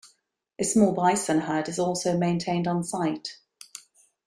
A small bison herd is also maintained on-site.